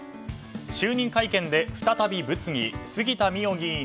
就任会見で再び物議杉田水脈議員